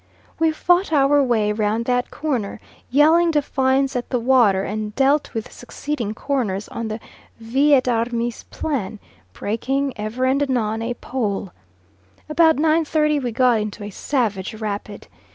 We fought our way round that corner, yelling defiance at the water, and dealt with succeeding corners on the vi et armis plan, breaking, ever and anon, a pole. About 9.30 we got into a savage rapid.